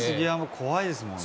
怖いですもんね。